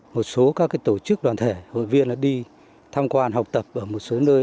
một số các tổ chức đoàn thể hội viên đi tham quan học tập ở một số nơi